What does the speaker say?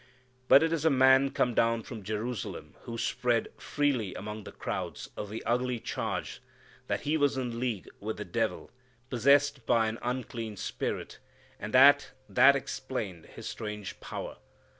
But it is a man come down from Jerusalem who spread freely among the crowds the ugly charge that He was in league with the devil, possessed by an unclean spirit, and that that explained His strange power.